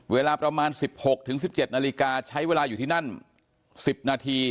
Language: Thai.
เวลาประมาณ๑๖๑๗นาฬิกาใช้เวลาอยู่ที่นั่น๑๐นาที